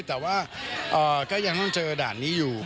แต่ว่าก็ยังต้องเจอด่านนี้อยู่